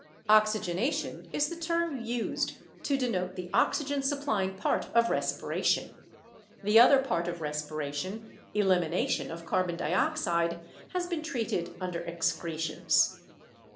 Oxygenation is the term used to denote the oxygen supplying part of respiration; the other part of respiration, elimination of carbon dioxide, has been treated under excretions.